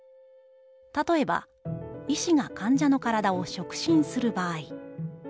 「たとえば医師が患者の体を触診する場合。